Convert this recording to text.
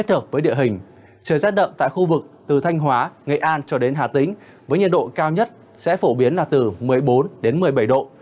trời rét đậm tại khu vực từ thanh hóa nghệ an cho đến hà tĩnh với nhiệt độ cao nhất sẽ phổ biến là từ một mươi bốn đến một mươi bảy độ